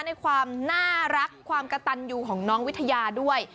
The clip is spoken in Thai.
ในความน่ารักความกระตันอยู่ของน้องวิทยาด้วย